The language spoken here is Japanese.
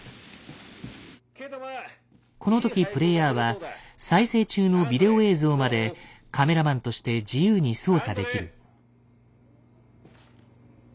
この時プレイヤーは再生中のビデオ映像までカメラマンとして自由に操作できる。